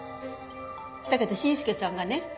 だけど伸介さんがね